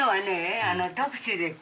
タクシーで行く。